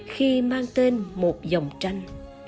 khi mang tên một dòng tranh